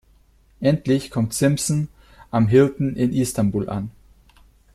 Endlich kommt Simpson am Hilton in Istanbul an.